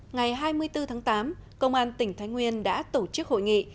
ngày hai mươi bốn tháng tám công an tỉnh thái nguyên đã tổ chức hội nghị